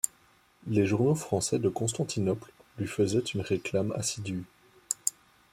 Les journaux français de Constantinople lui faisaient une réclame assidue.